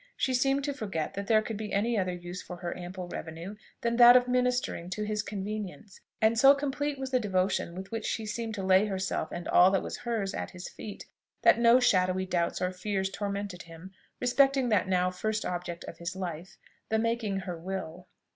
She seemed to forget that there could be any other use for her ample revenue, than that of ministering to his convenience; and so complete was the devotion with which she seemed to lay herself and all that was hers at his feet, that no shadowy doubts or fears tormented him respecting that now first object of his life, the making her will.